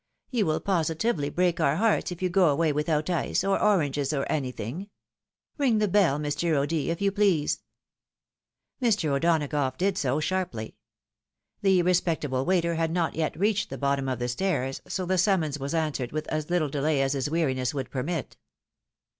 You will positively break oijr hearts if you go away without ice, or oranges, or anything. Ring the bell Mr. O'D., if you please." Mr. O'Donagough did so, sharply. The respectable waiter had not yet reached the bottom of the stairs, so the summons was answered with as Httle delay as his weariness would permit.